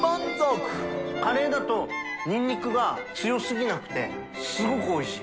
カレーだとニンニクが強すぎなくて垢瓦おいしい。